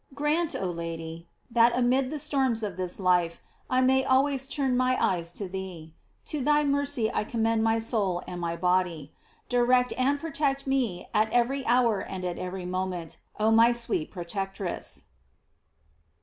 Grant, oh Lady, that amid the storms of this life, I may always turn my eyes to thee. To thy mercy I commend my soul and my body. Direct and protect me at every hour and every moment, oh my sweet protectress.